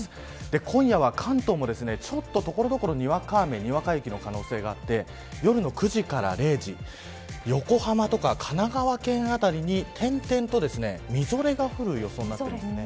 今夜は関東も所々、にわか雨にわか雪の可能性があって夜の９時から０時横浜とか神奈川県辺りに点々とみぞれが降る予想になっています。